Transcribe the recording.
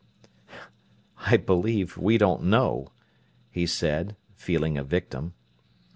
"I believe we don't know," he said, feeling a victim.